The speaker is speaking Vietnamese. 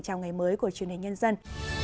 chào ngày mới của truyền hình nhân dân